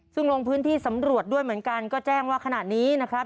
ซึ่งลงพื้นที่สำรวจด้วยเหมือนกันก็แจ้งว่าขณะนี้นะครับ